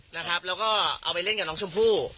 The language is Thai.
แล้วก็เอาไปเล่นกับน้องชมพู่